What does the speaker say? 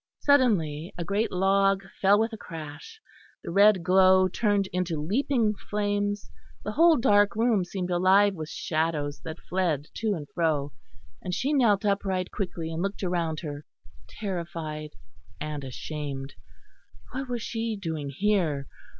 Suddenly a great log fell with a crash, the red glow turned into leaping flames; the whole dark room seemed alive with shadows that fled to and fro, and she knelt upright quickly and looked round her, terrified and ashamed. What was she doing here?